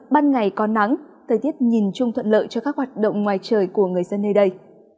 ban ngày có nắng thời tiết nhìn chung thuận lợi cho các hoạt động ngoài trời của người dân nơi đây